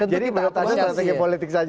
jadi tidak ada strategi politik saja